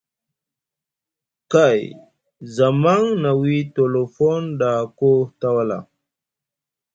Kay zamaŋ na wii tolofon ɗa koo tawala.